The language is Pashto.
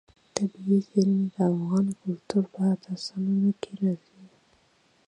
طبیعي زیرمې د افغان کلتور په داستانونو کې راځي.